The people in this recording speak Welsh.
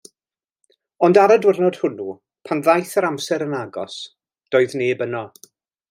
Ond ar y diwrnod hwnnw, pan ddaeth yr amser yn agos, doedd neb yno.